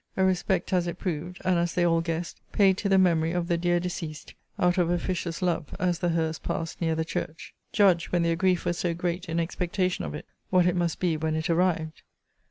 A respect, as it proved, and as they all guessed, paid to the memory of the dear deceased, out of officious love, as the hearse passed near the church. Judge, when their grief was so great in expectation of it, what it must be when it arrived.